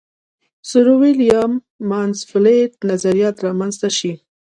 سرویلیم مانسفیلډ نظریات را منځته شي.